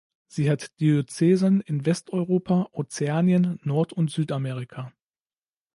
Sie hat Diözesen in Westeuropa, Ozeanien, Nord- und Südamerika.